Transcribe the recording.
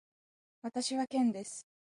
私はケンです。